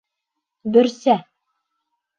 Бөрсә!